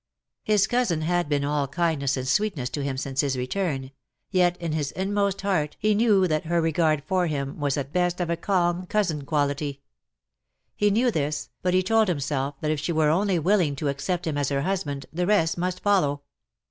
His cousin had been all kindness 77 and sweetness to him since his return ; yet in his inmost heart he knew that her regard for him was at best of a calm^ cousinly quality. He knew this, but he told himself that if she were only willing to accept him as her husband, the rest must follow.